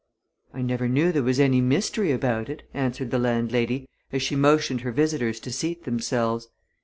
"I never knew there was any mystery about it," answered the landlady, as she motioned her visitors to seat themselves.